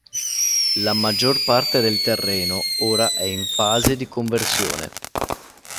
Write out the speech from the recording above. La maggior parte del terreno ora è in fase di conversione.